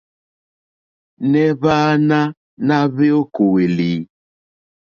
Nɛh Hwaana na hweyokoeli?